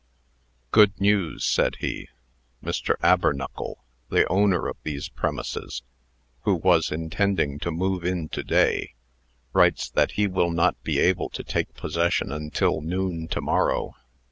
"Good news," said he. "Mr. Abernuckle, the owner of these premises, who was intending to move in to day, writes that he will not be able to take possession until noon to morrow.